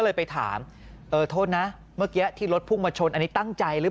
เลยไปถามเออโทษนะเมื่อกี้ที่รถพุ่งมาชนอันนี้ตั้งใจหรือ